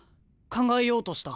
考えようとした。